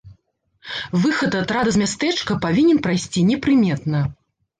Выхад атрада з мястэчка павінен прайсці непрыметна.